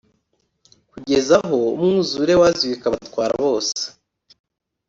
kugeza aho umwuzure waziye ukabatwara bose